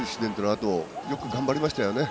あとよく頑張りましたよね。